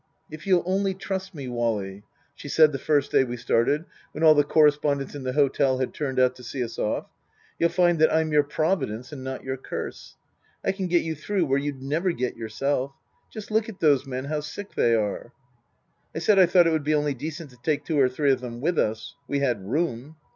" If you'll only trust me, Wally," she said the first day we started, when all the correspondents in the hotel had turned out to see us off, " you'll find that I'm your Pro vidence and not your curse. I can get you through where you'd never get yourself. Just look at those men how sick they are." I said I thought it would be only decent to take two or three of them with us. We had room.